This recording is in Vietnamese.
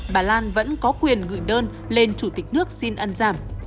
bà lan vẫn có quyền gửi đơn lên chủ tịch nước xin ân giảm